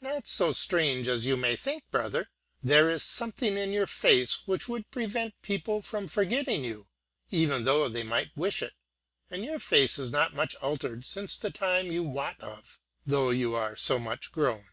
"Not so strange as you may think, brother: there is something in your face which would prevent people from forgetting you, even though they might wish it; and your face is not much altered since the time you wot of, though you are so much grown.